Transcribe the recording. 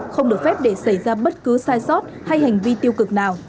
không được phép để xảy ra bất cứ sai sót hay hành vi tiêu cực nào